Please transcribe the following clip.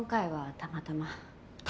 たまたま？